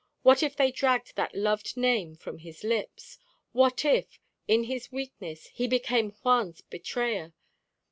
What if they dragged that loved name from his lips! What if, in his weakness, he became Juan's betrayer!